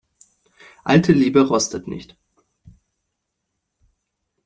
Alte Liebe rostet nicht.